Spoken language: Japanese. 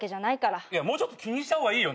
いやもうちょっと気にした方がいいよ。